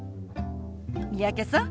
三宅さん